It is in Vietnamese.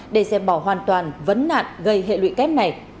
để dẹp bỏ hoàn toàn vấn nạn gây hệ lụy kép này